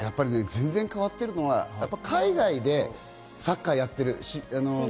全然変わってるのは、海外でサッカーやっている。